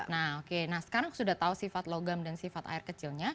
nah oke nah sekarang sudah tahu sifat logam dan sifat air kecilnya